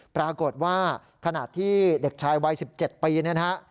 ปรากฏว่าขณะที่เด็กชายวัย๑๗ปีนะครับ